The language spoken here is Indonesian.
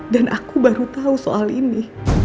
dan aku baru tahu soal ini